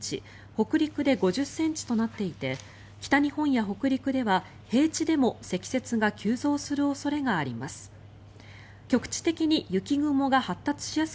北陸で５０ｃｍとなっていて北日本や北陸では、平地でも積雪が急増する恐れがあります。